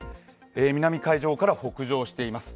南海上から北上しています。